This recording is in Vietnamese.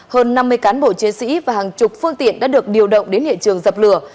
hơn năm mươi cán bộ chiến sĩ và hàng chục phương tiện đã được điều động đến hiện trường dập lửa